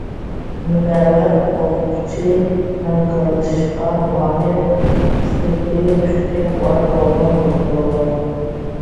مۇنەۋۋەر ئوقۇتقۇچى ھەمكارلىشىشقا ماھىر، سېھرىي كۈچكە باي بولغان بولىدۇ.